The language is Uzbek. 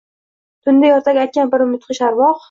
Tunda ertak aytgan bir mudhish arvoh.